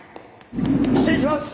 失礼します！